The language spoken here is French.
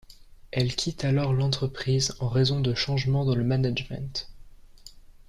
Elle quitte alors l'entreprise en raison de changements dans le management.